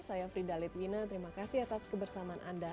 saya frida litwina terima kasih atas kebersamaan anda